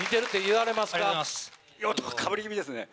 おっとかぶり気味ですね。